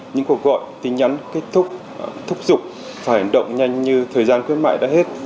những cuộc gọi tin nhắn kết thúc thúc giục phải động nhanh như thời gian khuyến mại đã hết